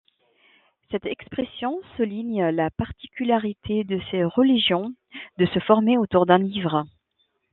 Cette expression souligne la particularité de ces religions de se former autour d'un livre.